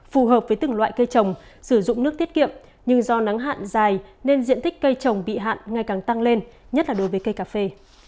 phù hợp với từng loại cây trồng sử dụng nước tiết kiệm nhưng do nắng hạn dài nên diện tích cây trồng bị hạn ngày càng tăng lên nhất là đối với cây cà phê